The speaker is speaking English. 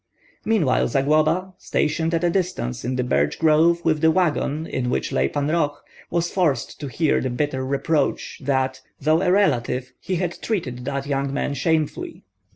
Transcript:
Meanwhile Zagloba, stationed at a distance in the birch grove with the wagon in which lay Pan Roh, was forced to hear the bitter reproach that, though a relative, he had treated that young man shamefully.